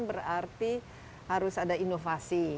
berarti harus ada inovasi